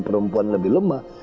perempuan lebih lemah